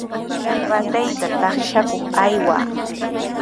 Ratayta taqshakuq aywaa.